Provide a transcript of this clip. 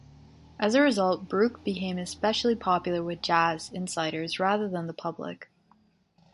As a result, Burke became especially popular with jazz insiders rather than the public.